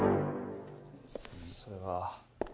それは。